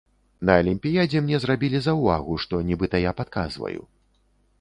На алімпіядзе мне зрабілі заўвагу, што нібыта я падказваю.